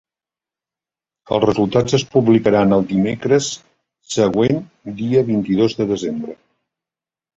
Els resultats es publicaran el dimecres següent, dia vint-i-dos de desembre.